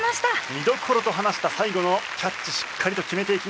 見どころと話した最後のキャッチしっかりと決めていきました。